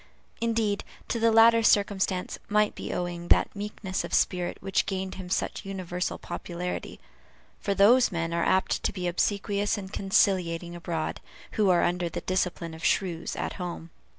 Indeed, to the latter circumstance might be owing that meekness of spirit which gained him such universal popularity; for those men are apt to be obsequious and conciliating abroad, who are under the discipline of shrews at home.